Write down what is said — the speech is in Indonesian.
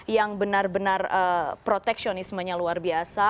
yang benar benar proteksionismenya luar biasa